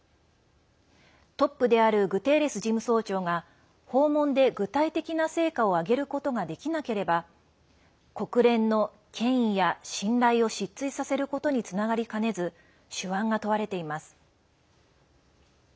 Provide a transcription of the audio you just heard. トップであるグテーレス事務総長が訪問で具体的な成果を挙げることができなければ国連の権威や信頼を失墜させることにつながりかねず手腕が問われています。